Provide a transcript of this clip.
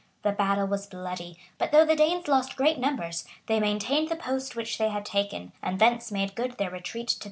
The battle was bloody; but though the Danes lost great numbers, they maintained the post which they had taken, and thence made good their retreat to their ships.